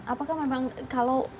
apakah memang kalau